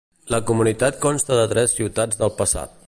La comunitat consta de tres ciutats del passat.